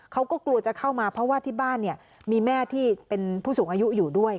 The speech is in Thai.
เขาก็กลัวจะเข้ามาเพราะว่าที่บ้านเนี่ยมีแม่ที่เป็นผู้สูงอายุอยู่ด้วย